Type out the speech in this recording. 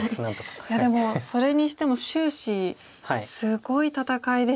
いやでもそれにしても終始すごい戦いでしたね。